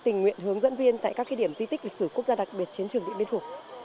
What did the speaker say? tình nguyện hướng dẫn viên tại các điểm di tích lịch sử quốc gia đặc biệt chiến trường điện biên phủ